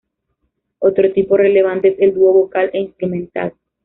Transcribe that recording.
Otro tipo relevante es el dúo vocal e instrumental.